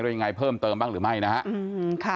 แล้วยังไงเพิ่มเติมบ้างหรือไม่นะครับ